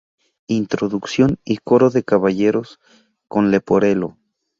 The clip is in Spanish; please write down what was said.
Introducción y coro de caballeros, con Leporello.